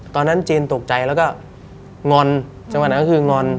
ตอนนั้นจีนตกใจแล้วก็งอนจังหวะนั้นก็คืองอน